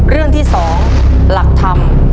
เรื่องที่๒หลักธรรม